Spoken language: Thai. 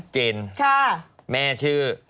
จินแม่ชื่อคุณจิน